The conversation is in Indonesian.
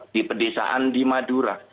di pedesaan di madura